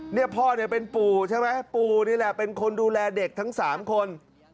เนี่ยพ่อเนี่ยเป็นปู่ใช่ไหมปู่นี่แหละเป็นคนดูแลเด็กทั้ง๓คน